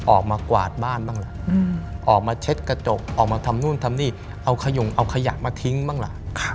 ออกมากวาดบ้านบ้างล่ะออกมาเช็ดกระจกออกมาทำนู่นทำนี่เอาขยงเอาขยะมาทิ้งบ้างล่ะ